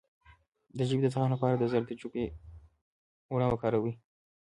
د ژبې د زخم لپاره د زردچوبې اوبه وکاروئ